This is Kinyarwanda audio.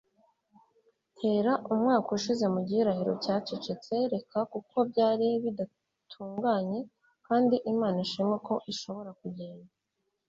tera umwaka ushize mu gihirahiro cyacecetse. reka, kuko byari bidatunganye, kandi imana ishimwe ko ishobora kugenda